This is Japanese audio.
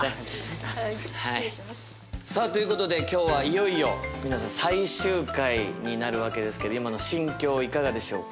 さあということで今日はいよいよ皆さん最終回になるわけですけど今の心境いかがでしょうか？